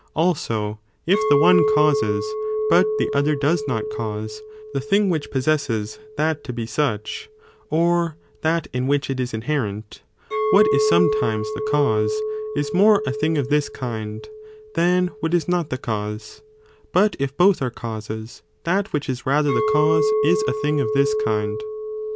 Also, if the one causes, but the other does not cause, the thing which possesses that to be such, (or that) in which it is inherent; what is sometimes the cause, is more a thing of this kind than what is not the cause, but if both are causes, that which is rather the cause is a thing of this kind. . Std.